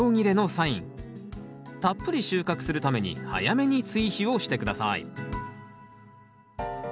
たっぷり収穫するために早めに追肥をして下さい。